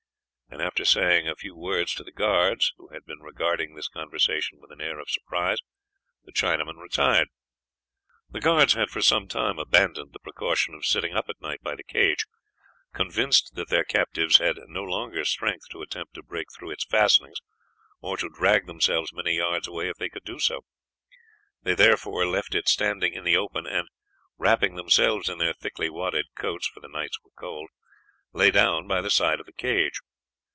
And after saying a few words to the guards, who had been regarding this conversation with an air of surprise, the Chinaman retired. The guards had for some time abandoned the precaution of sitting up at night by the cage, convinced that their captives had no longer strength to attempt to break through its fastenings or to drag themselves many yards away if they could do so. They therefore left it standing in the open, and, wrapping themselves in their thickly wadded coats, for the nights were cold, lay down by the side of the cage.